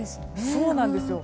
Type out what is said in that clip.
そうなんですよ。